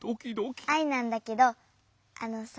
アイなんだけどあのさ。